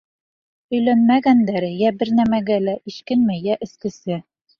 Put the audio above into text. Өйләнмәгәндәре йә бер нәмәгә лә эшкинмәй, йә эскесе.